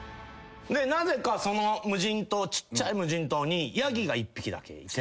なぜかその無人島ちっちゃい無人島にヤギが１匹だけいて。